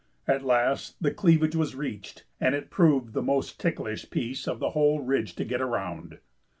At last the cleavage was reached, and it proved the most ticklish piece of the whole ridge to get around.